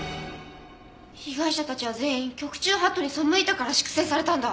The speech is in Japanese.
被害者たちは全員局中法度に背いたから粛清されたんだ。